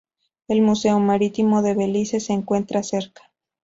El Museo Marítimo de Belice se encuentra cerca.